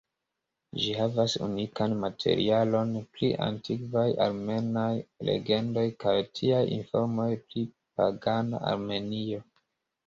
Ĝi havas unikan materialon pri antikvaj armenaj legendoj, kaj tiaj informoj pri pagana Armenio.